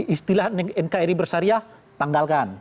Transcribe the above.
istilah nkri bersyariah tanggalkan